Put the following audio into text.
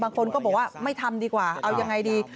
บางคนก็บอกว่าไม่ทำดีกว่าเอายังไงดี